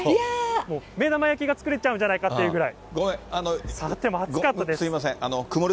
目玉焼きが作れちゃうんじゃないかっていうぐらい。